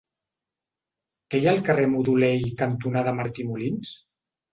Què hi ha al carrer Modolell cantonada Martí Molins?